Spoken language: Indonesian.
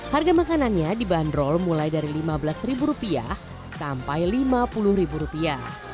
harga makanannya di bandrol mulai dari lima belas rupiah sampai lima puluh rupiah